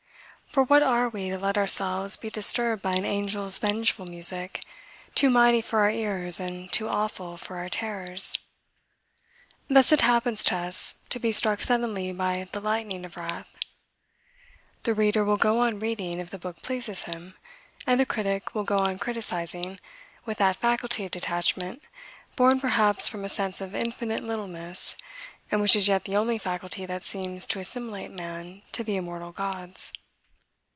For what are we to let ourselves be disturbed by an angel's vengeful music too mighty for our ears and too awful for our terrors? Thus it happens to us to be struck suddenly by the lightning of wrath. The reader will go on reading if the book pleases him and the critic will go on criticizing with that faculty of detachment born perhaps from a sense of infinite littleness and which is yet the only faculty that seems to assimilate man to the immortal gods.